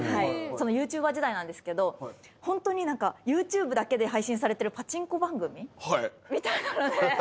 そのＹｏｕＴｕｂｅｒ時代なんですけど本当にＹｏｕＴｕｂｅだけで配信されてるパチンコ番組みたいなのでご一緒してて。